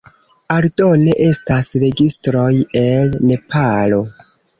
Aldone, estas registroj el Nepalo.